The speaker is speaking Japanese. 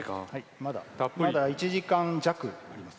まだ１時間弱あります。